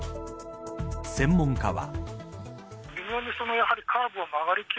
専門家は。